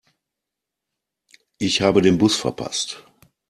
Ich habe den Bus verpasst.